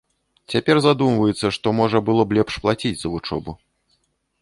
Цяпер задумваецца, што можа было б лепш плаціць за вучобу.